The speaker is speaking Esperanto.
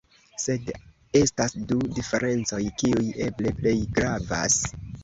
Sed estas du diferencoj kiuj eble plej gravas.